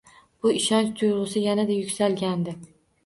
Bu ishonch tuyg‘usi yanada yuksalgandi